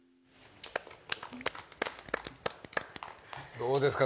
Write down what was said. どうですか？